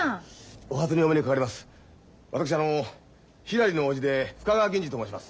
私ひらりの叔父で深川銀次と申します。